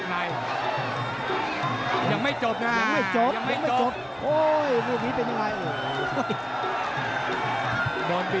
ลากออกมาลากไม่ได้